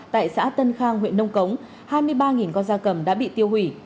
tại xã tân khang huyện nông cống hai mươi ba con da cầm đã bị tiêu hủy